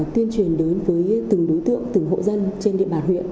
tuyên truyền đến với từng đối tượng từng hộ dân trên địa bàn huyện